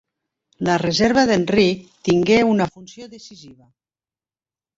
La reserva d'Enric tingué una funció decisiva.